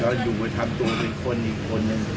แล้วอยู่ไทยทำตัวเป็นคนอีกคนนั้น